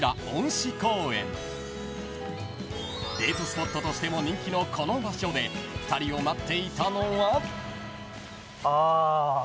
［デートスポットとしても人気のこの場所で２人を待っていたのは］